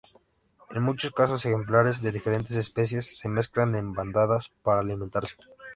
En muchos casos, ejemplares de diferentes especies se mezclan en bandadas para alimentarse.